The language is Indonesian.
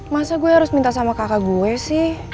masa gue harus minta sama kakak gue sih